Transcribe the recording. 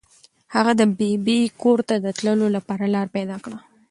هغه د ببۍ کور ته د تللو لپاره لاره پیدا کړه.